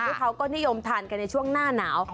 เขาก็นิยมทานกันในช่วงหน้าหนาว